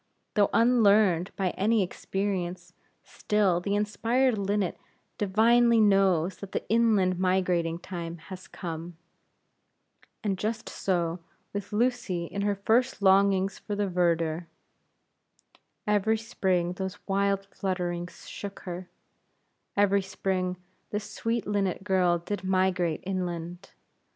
Though unlearned by any experience, still the inspired linnet divinely knows that the inland migrating time has come. And just so with Lucy in her first longings for the verdure. Every spring those wild flutterings shook her; every spring, this sweet linnet girl did migrate inland.